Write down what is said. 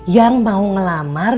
yang mau ngelamar